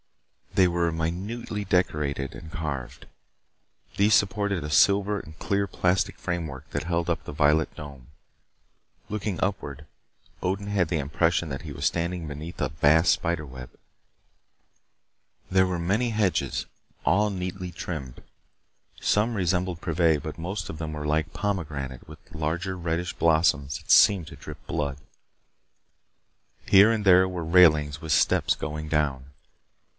They were minutely decorated and carved. These supported a silver and clear plastic framework that held up the violet dome. Looking upward, Odin had the impression that he was standing beneath a vast spider web. There were many hedges, all neatly trimmed. Some resembled privet, but most of them were like pomegranate with larger reddish blossoms that seemed to drip blood. Here and there were railings with steps going down.